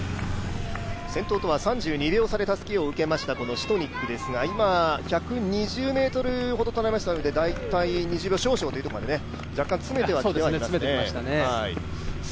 先頭とは３２秒差でたすきを受けましたシトニックですが今、１２０ｍほど捉えましたので、２０秒少々というところまで若干詰めてはきていますね。